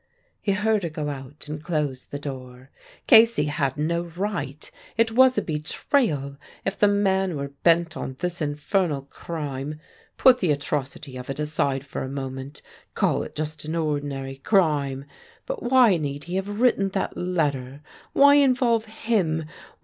He heard her go out and close the door. "Casey had no right. It was a betrayal. If the man were bent on this infernal crime put the atrocity of it aside for a moment call it just an ordinary crime; ... but why need he have written that letter? Why involve _him?